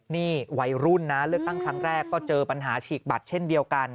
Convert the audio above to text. นี่วัยรุ่นนะเลือกตั้งครั้งแรกก็เจอปัญหาฉีกบัตรเช่นเดียวกัน